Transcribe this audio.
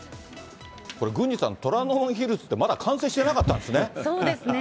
これ、郡司さん、虎ノ門ヒルズってまだ完成してなかったんでそうですね。